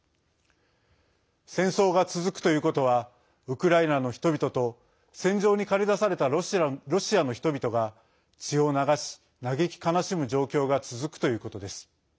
戦争が続くということはウクライナの人々と戦場に借り出されたロシアの人々が血を流し、嘆き悲しむ状況が続くということです。